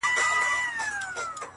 خو ما د لاس په دسمال ووهي ويده سمه زه؛